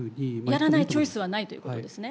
やらないチョイスはないということですね。